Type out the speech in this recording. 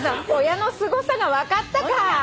「親のすごさが分かったか！」